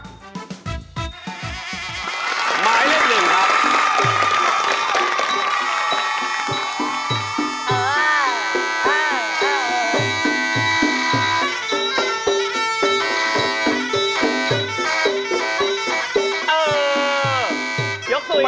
หมายเลขหนึ่งครับ